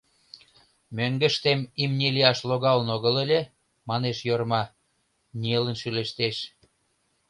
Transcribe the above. — Мӧҥгыштем имне лияш логалын огыл ыле, — манеш Йорма, нелын шӱлештеш.